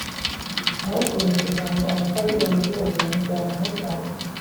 Aho kunyaka ijambo! Amapfa ageze mu gihuguNkurwanaho cyane